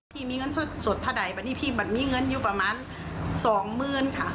พี่มีเงินสดสดถ้าใดปะนี่พี่มันมีเงินอยู่ประมาณสองหมื่นค่ะ